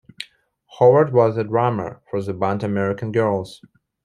Howard was the drummer for the band American Girls.